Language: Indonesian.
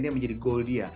yang menjadi goal dia